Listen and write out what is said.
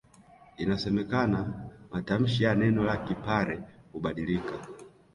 Inasemekana matamshi ya neno la Kipare hubadilika